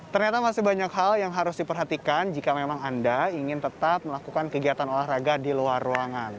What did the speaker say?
ternyata masih banyak hal yang harus diperhatikan jika memang anda ingin tetap melakukan kegiatan olahraga di luar ruangan